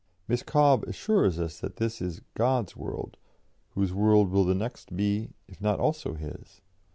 Miss Cobbe assures us that this is 'God's world'; whose world will the next be, if not also His?